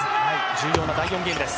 重要な第４ゲームです。